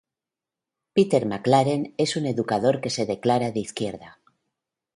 Peter McLaren, es un educador que se declara de izquierda.